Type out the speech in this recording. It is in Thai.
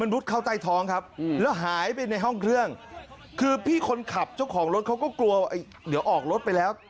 รถของรถเขาก็กลัวเดี๋ยวออกรถไปแล้ว